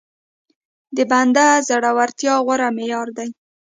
د بنده د زورورتيا غوره معيار دی.